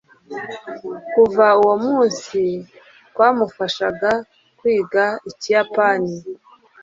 Kuva uwo munsi twamufashaga kwiga Ikiyapani